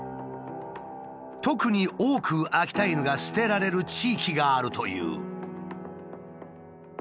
特に多く秋田犬が捨てられる地域があるという。